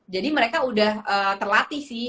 mereka udah terlatih sih